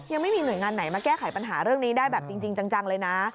ยังไม่มีหน่วยงานไหนมาแก้ไขปัญหาเรื่องนี้ได้แบบจริงจังเลยนะ